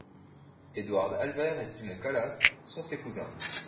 Eduard Alver et Simon Kallas sont ses cousins.